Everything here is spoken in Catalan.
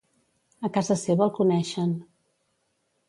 A casa seva el coneixen.